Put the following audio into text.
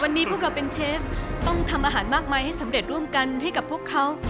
วันนี้พวกเราเป็นเชฟต้องทำอาหารมากมายให้สำเร็จร่วมกันให้กับพวกเขา